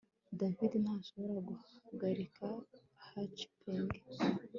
David ntashobora guhagarika hiccupping